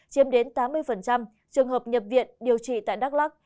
chiếm đến tám mươi trường hợp nhập viện điều trị tại đắk lắc